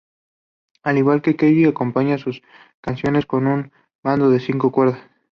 Al igual que Kelly, acompaña sus canciones con un banjo de cinco cuerdas.